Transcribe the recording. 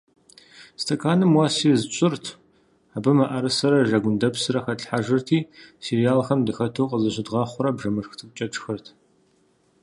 Стэканым уэс из тщӏырт, абы мыӏэрысэрэ жэгундэпсрэ хэтлъхьэжырти, сериалхэм дыхэту къызыщыдгъэхъуурэ бжэмышх цӏыкӏукӏэ тшхырт.